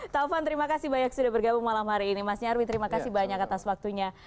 taufan terima kasih banyak sudah bergabung malam hari ini mas nyarwi terima kasih banyak atas waktunya